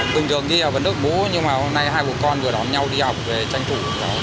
cường trường đi học ở nước bú nhưng hôm nay hai bụi con vừa đón nhau đi học về tranh thủ